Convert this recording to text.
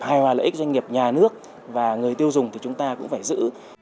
hay là lợi ích doanh nghiệp nhà nước và người tiêu dùng thì chúng ta cũng phải giữ